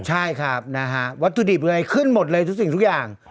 ใช่ครับนะฮะวัตถุดิบอะไรขึ้นหมดเลยทุกสิ่งทุกอย่าง